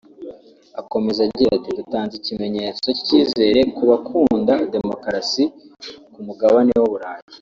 akomeza agira ati “Dutanze ikimenyetso cy’icyizere ku bakunda demokarasi ku mugabane w’u Burayi